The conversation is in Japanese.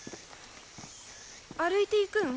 歩いていくん？